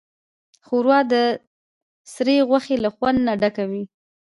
ښوروا د سرې غوښې له خوند نه ډکه وي.